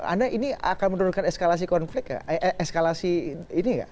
anda ini akan menurunkan eskalasi konflik eskalasi ini nggak